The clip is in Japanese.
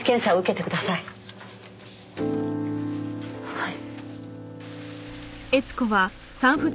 はい。